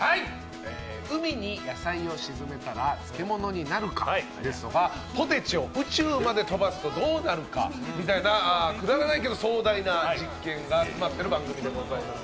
海に野菜を沈めたら漬物になるか、ですとか、ポテチを宇宙まで飛ばすとどうなるかなど、くだらないけど壮大な実験を行っている番組でございます。